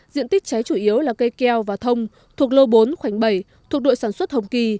diện tích cháy chủ yếu là cây keo và thông thuộc lô bốn khoảnh bảy thuộc đội sản xuất hồng kỳ